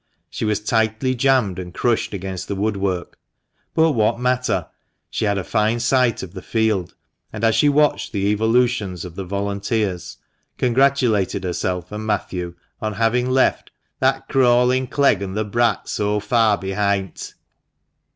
She was tightly jammed and crushed against the woodwork ; but what matter ? she had a fine sight of the field, and as she watched the evolutions of the volunteers, congratulated herself and Matthew on having left "that crawling Clegg an' the brat so far behint."